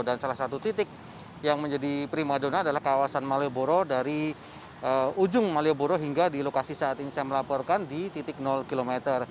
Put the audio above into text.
dan salah satu titik yang menjadi prima dona adalah kawasan malioboro dari ujung malioboro hingga di lokasi saat ini saya melaporkan di titik km